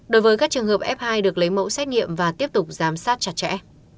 đối với các trường hợp f hai được lấy mẫu xét nghiệm và tiếp tục giám sát chặt chẽ